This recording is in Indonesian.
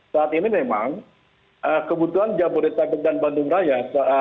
saat ini memang kebutuhan jabodetabek dan bandung raya